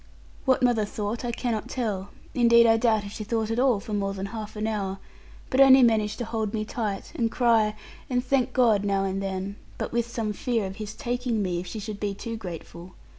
What mother thought I cannot tell; and indeed I doubt if she thought at all for more than half an hour, but only managed to hold me tight, and cry, and thank God now and then, but with some fear of His taking me, if she should be too grateful.